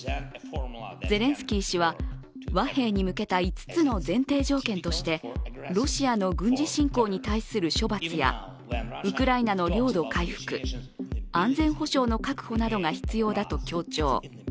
ゼレンスキー氏は和平に向けた５つの前提条件として、ロシアの軍事侵攻に対する処罰やウクライナの領土回復、安全保障の確保などが必要だと強調。